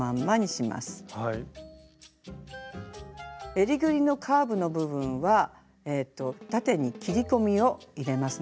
えりぐりのカーブの部分は縦に切り込みを入れますね。